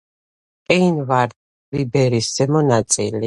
მყინვარ ტვიბერის ზემო ნაწილი.